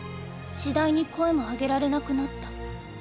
次第に声もあげられなくなった。